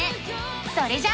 それじゃあ。